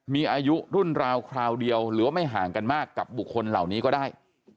มีอายุรุ่นราวคราวเดียวหรือว่าไม่ห่างกันมากกับบุคคลเหล่านี้ก็ได้